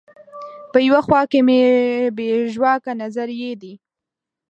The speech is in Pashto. په یوه خوا کې مو بې ژواکه نظریې دي.